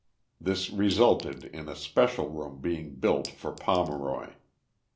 This resulted in a special room being built for Pomeroy.